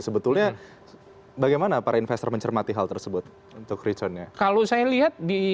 sebetulnya bagaimana para investor mencermati hal tersebut untuk returnnya